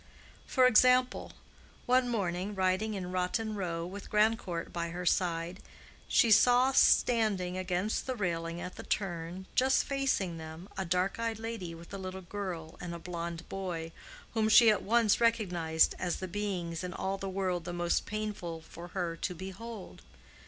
For example. One morning, riding in Rotten Row with Grandcourt by her side, she saw standing against the railing at the turn, just facing them, a dark eyed lady with a little girl and a blonde boy, whom she at once recognized as the beings in all the world the most painful for her to behold.